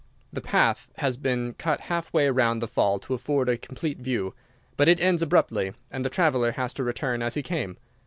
The path has been cut half way round the fall to afford a complete view, but it ends abruptly, and the traveler has to return as he came.